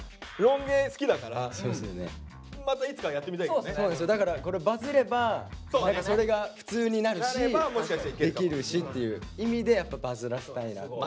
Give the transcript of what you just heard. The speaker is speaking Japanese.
でもそうですよだからこれバズればそれが普通になるしできるしっていう意味でやっぱバズらせたいなと思います。